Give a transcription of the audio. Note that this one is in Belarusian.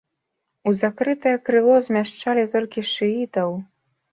У закрытае крыло змяшчалі толькі шыітаў.